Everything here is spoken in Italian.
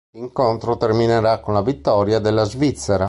L'incontro terminerà con la vittoria della Svizzera.